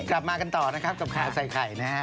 กลับมากันต่อนะครับกับข่าวใส่ไข่นะฮะ